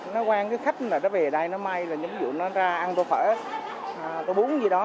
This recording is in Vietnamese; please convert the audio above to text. nó quen cái khách là nó về đây nó may là ví dụ nó ra ăn tô phở tô bún gì đó